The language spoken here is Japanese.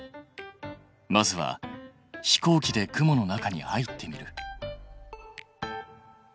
まずは飛行機で雲の中に入ってみる。